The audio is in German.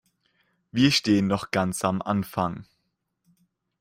Wir stehen noch ganz am Anfang.